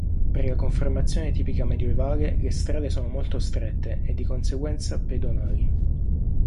Per la conformazione tipica medioevale, le strade sono molto strette e di conseguenza pedonali.